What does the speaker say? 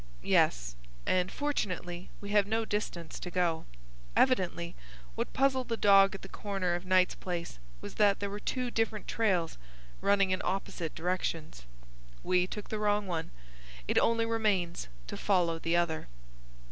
"Yes. And, fortunately, we have no distance to go. Evidently what puzzled the dog at the corner of Knight's Place was that there were two different trails running in opposite directions. We took the wrong one. It only remains to follow the other."